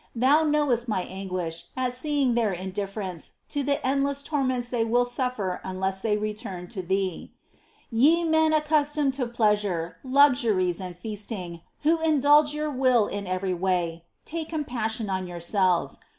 Thou knowest my anguish at seeing their indifference to the endless tor ments they will suffer unless they return to Thee. 5. Ye men accustomed to pleasure, luxuries and feasting, who indulge your will in every way, take com passion on yourselves !